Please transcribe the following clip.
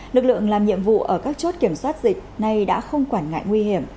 lực lượng làm nhiệm vụ ở các chốt kiểm soát dịch nay đã không quản ngại nguy hiểm